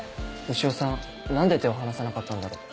潮さん何で手を離さなかったんだろう。